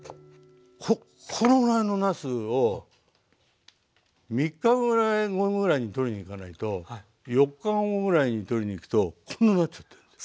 このぐらいのなすを３日後ぐらいにとりに行かないと４日後ぐらいにとりに行くとこんなんなっちゃってんです。